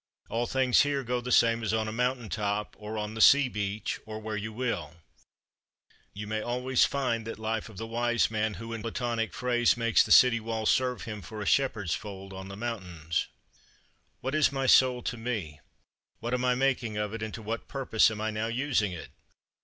All things here go the same as on a mountain top, or on the sea beach, or where you will. You may always find that life of the wise man who, in Platonic phrase, "makes the city wall serve him for a shepherd's fold on the mountains." 24. What is my soul to me? What am I making of it, and to what purpose am I now using it?